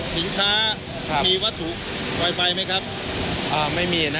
สถานการณ์ข้อมูล